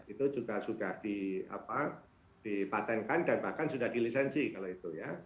itu juga sudah dipatenkan dan bahkan sudah dilisensi kalau itu ya